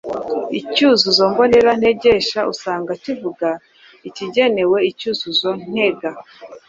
Icyuzuzo mbonera ntegesha usanga kivuga ikigenewe icyuzuzo ntega,